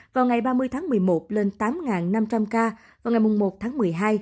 vào ngày ba mươi tháng một mươi một lên tám năm trăm linh ca vào ngày một tháng một mươi hai